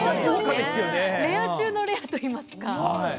レア中のレアといいますか。